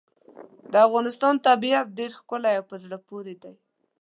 د افغانستان طبیعت ډېر ښکلی او په زړه پورې دی.